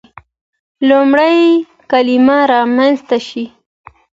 لومړی کلمه رامنځته شي.